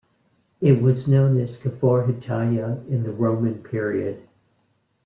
It was known as "Kfar Hittaya" in the Roman period.